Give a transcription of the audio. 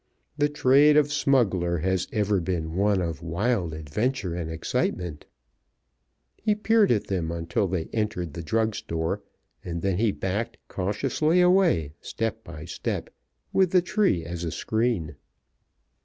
The trade of smuggler has ever been one of wild adventure and excitement. He peered at them until they entered the drug store, and then he backed cautiously away, step by step, with the tree as a screen.